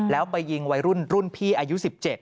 แล้วไปยิงวัยรุ่นรุ่นพี่อายุ๑๗